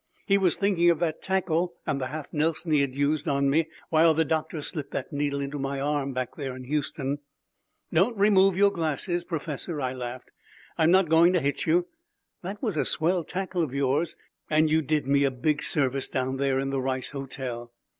He was thinking of that tackle and the half Nelson he had used on me while the doctor slipped that needle into my arm back there in Houston. "Don't remove your glasses, Professor," I laughed; "I'm not going to hit you. That was a swell tackle of yours, and you did me a big service down there in the Rice Hotel."